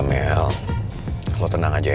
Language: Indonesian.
nanti gue mau ke tempat yang lebih baik